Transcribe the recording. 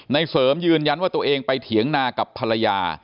เสริมยืนยันว่าตัวเองไปเถียงนากับภรรยา